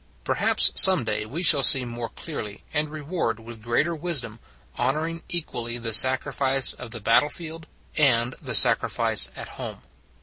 Perhaps some day we shall see more clearly and reward with greater wisdom, honoring equally the sacrifice of the bat tlefield and the sacrifice at home.